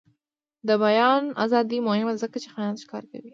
د بیان ازادي مهمه ده ځکه چې خیانت ښکاره کوي.